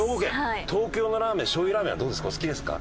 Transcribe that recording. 東京のラーメン醤油ラーメンはどうですか？